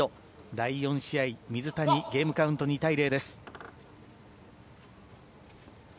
第４試合、水谷ゲームカウント２対０です。